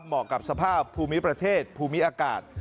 เหมาะกับสภาพภูมิประเทศภูมิอากาศ